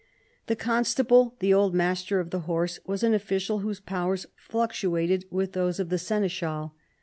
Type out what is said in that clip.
The constable, the old master of the horse, was an official whose powers fluctuated with those of the seneschal.